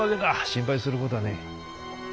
心配する事はねえ。